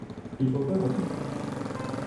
Il faut faire au mieux.